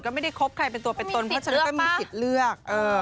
ก็ไม่ได้คบใครเป็นตัวเป็นตนเพราะฉะนั้นก็มีสิทธิ์เลือก